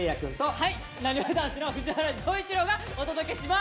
はいなにわ男子の藤原丈一郎がお届けします！